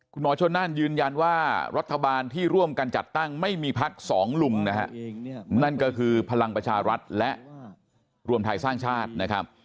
คุณหมอชนนั่นยืนยันว่ารัฐบาลที่ร่วมกันจัดตั้งไม่มีพักสองลุงนะฮะนั่นก็คือพลังประชารัฐและรวมไทยสร้างชาตินะครับ